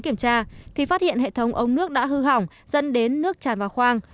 khi kiểm tra thì phát hiện hệ thống ống nước đã hư hỏng dẫn đến nước tràn vào khoang